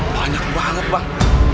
banyak banget bang